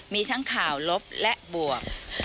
มีทั้งข่าวลบและบวก